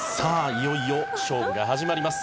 いよいよ勝負が始まります」